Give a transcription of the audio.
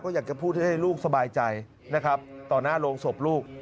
อยากจะพูดให้ลูกสบายใจนะครับต่อหน้าโรงศพลูก